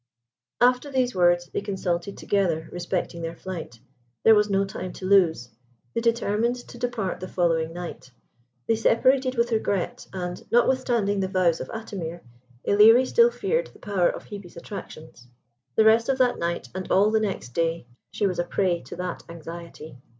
After these words, they consulted together respecting their flight. There was no time to lose. They determined to depart the following night. They separated with regret, and, notwithstanding the vows of Atimir, Ilerie still feared the power of Hebe's attractions. The rest of that night and all the next day she was a prey to that anxiety.